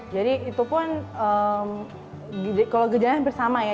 jadi itu pun kalau gejanya hampir sama ya